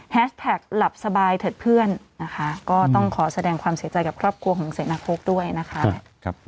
แท็กหลับสบายเถิดเพื่อนนะคะก็ต้องขอแสดงความเสียใจกับครอบครัวของเสนาโค้กด้วยนะคะ